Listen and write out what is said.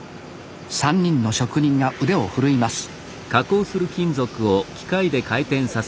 ３人の職人が腕を振るいます